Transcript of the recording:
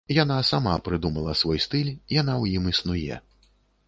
Яна сама прыдумала свой стыль, яна ў ім існуе.